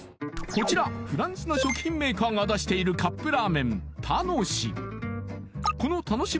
こちらフランスの食品メーカーが出しているカップラーメンＴＡＮＯＳＨＩ